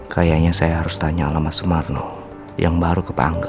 kayaknya saya harus tanya alamat semarno yang baru ke pangga